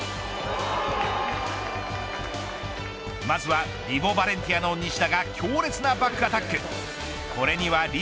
まずはヴィボ・バレンティアの西田が強烈なバックアタック。